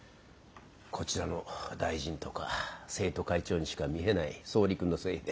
こちらの大臣とか生徒会長にしか見えない総理君のせいで。